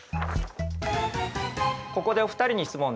ここでお二人に質問です。